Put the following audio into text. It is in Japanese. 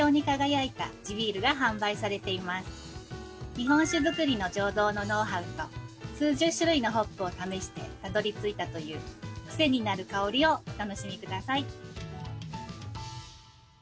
日本酒造りの醸造のノウハウと数十種類のホップを試してたどりついたというクセになる香りをお楽しみください。